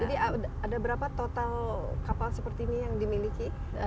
jadi ada berapa total kapal seperti ini yang dimiliki